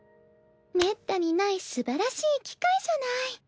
めったにないすばらしい機会じゃない。